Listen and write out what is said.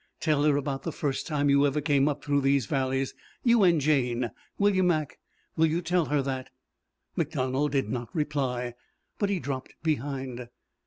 Tell her about the first time you ever came up through these valleys you and Jane. Will you, Mac? Will you tell her that?" MacDonald did not reply, but he dropped behind.